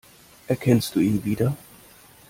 Erkennst du ihn wieder?